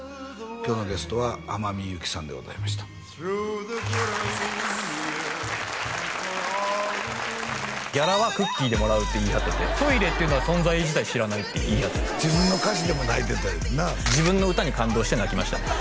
今日のゲストは天海祐希さんでございましたありがとうございますギャラはクッキーでもらうって言い張っててトイレは存在自体知らないって自分の歌詞でも泣いてた自分の歌に感動して泣きました